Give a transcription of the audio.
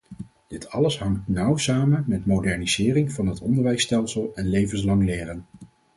Dit alles hangt nauw samen met modernisering van het onderwijsstelsel en levenslang leren.